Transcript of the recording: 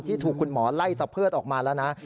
ถูกคุณหมอไล่ตะเพิดออกมาแล้วนะ